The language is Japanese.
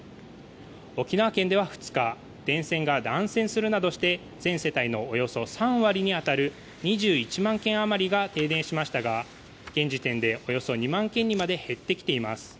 沖縄県では２日電線が断線するなどして全世帯のおよそ３割に当たる２１万軒余りが停電しましたが現時点でおよそ２万軒にまで減ってきています。